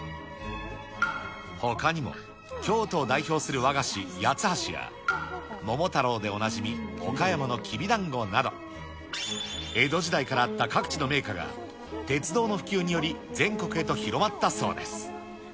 ほかにも京都を代表する和菓子、八ツ橋や、桃太郎でおなじみ岡山のきびだんごなど、江戸時代からあった各地の銘菓が、鉄道の普及により全国へと広まったそうです。